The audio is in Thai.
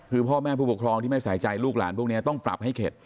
คือพ่อแม่ผู้ปกครองที่ไม่ใส่ใจลูกหลานพวกนี้ต้องปรับให้เข็ด